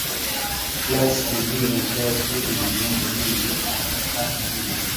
claus tv na claus redio na mambo mengine kaka ruge